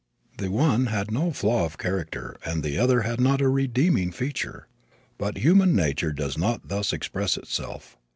The one had no flaw of character and the other had not a redeeming feature. But human nature does not thus express itself.